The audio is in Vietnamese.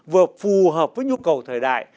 vừa phù hợp với nhu cầu thời đại